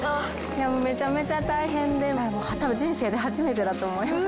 いやめちゃめちゃ大変でたぶん人生で初めてだと思います。